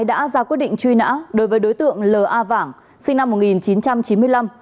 đã ra quyết định truy nã đối với đối tượng l a vàng sinh năm một nghìn chín trăm chín mươi năm